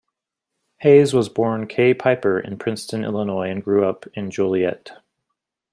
Hays was born Kay Piper in Princeton, Illinois and grew up in Joliet.